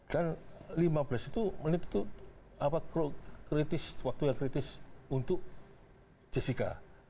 dan lima belas itu menit itu waktu yang kritis untuk jessica